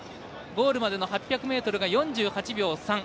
ゴールまでの６００ｍが４８秒３。